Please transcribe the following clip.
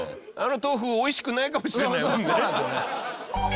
あの豆腐おいしくないかもしれないもんね。